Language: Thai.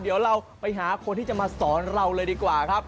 เดี๋ยวเราไปหาคนที่จะมาสอนเราเลยดีกว่าครับ